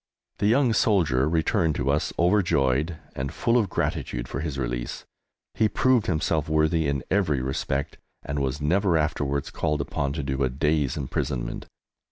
The young soldier returned to us overjoyed and full of gratitude for his release. He proved himself worthy in every respect, and was never afterwards called upon to do a day's imprisonment.